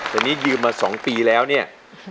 แต่นี่ยืมมา๒ปีแล้วเนี่ย